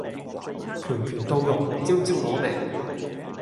拳拳到肉，招招攞命